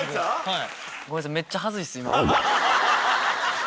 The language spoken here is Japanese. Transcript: はい。